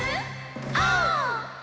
オー！